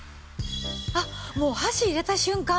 もう箸入れた瞬間